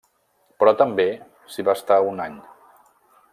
Però també s'hi va estar un any.